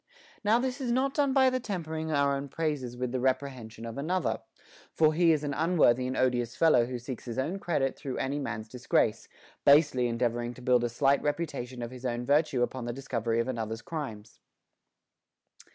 Now this is not done by the tempering our own praises with the rep rehension of another ; for he is an unworthy and odious fellow who seeks his own credit through any man's dis grace, basely endeavoring to build a slight reputation of his virtue upon the discovery of another's crimes.